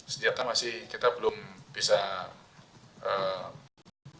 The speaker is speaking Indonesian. senjata masih kita belum bisa